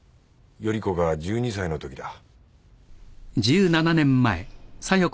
依子が１２歳のときだ。